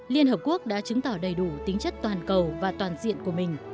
liên hợp quốc đã chứng tỏ đầy đủ tính chất toàn cầu và toàn diện của mình